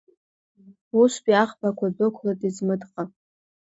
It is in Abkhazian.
Устәи аӷбақуа дәықулеит Езмыдҟа.